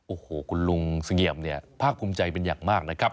โอ้โหคุณลุงเสงี่ยมพรากลุ้มใจเป็นอย่างมากนะครับ